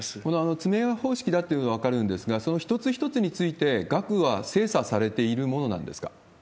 積み上げ方式だというのは分かるんですが、その一つ一つについて、額は精査されているものなんですか。